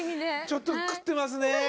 ちょっと食ってますね。